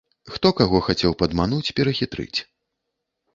Хто каго хацеў падмануць, перахітрыць.